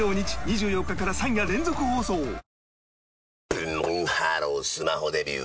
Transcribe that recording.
ブンブンハロースマホデビュー！